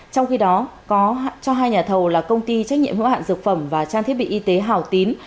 trong khi đó cho hai nhà thầu là công ty trách nhiệm hữu hạn dược phẩm và trang thiết bị y tế hào tín